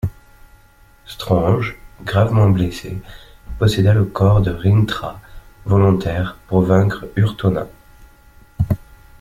Strange, gravement blessé, posséda le corps de Rintrah, volontaire, pour vaincre Urthona.